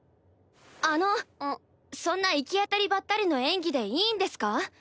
あのそんな行き当たりばったりの演技でいいんですか？